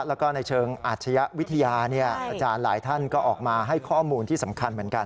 แล้วก็ในเชิงอาชญะวิทยาอาจารย์หลายท่านก็ออกมาให้ข้อมูลที่สำคัญเหมือนกัน